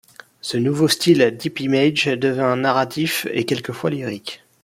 Ce nouveau style Deep Image devint narratif et quelquefois lyrique.